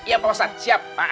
iya pak ustaz siap